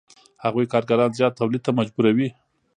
هغوی کارګران زیات تولید ته مجبوروي